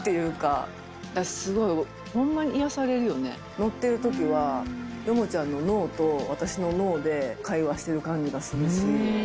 乗ってる時はヨモちゃんの脳と私の脳で会話してる感じがするし。